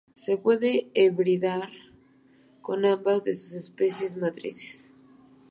Se puede hibridar con ambas de sus especies matrices.